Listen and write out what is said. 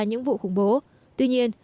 những vụ khủng bố tuy nhiên